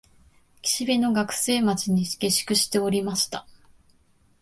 岸辺の学生町に下宿しておりました